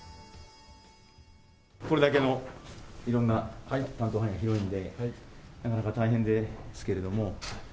これだけのいろんな、担当範囲が広いんで、なかなか大変ですけれども。